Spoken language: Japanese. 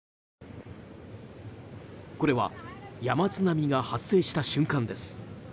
これは山津波が発生した瞬間です。